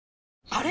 あれ？